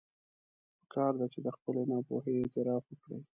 پکار ده چې د خپلې ناپوهي اعتراف وکړي.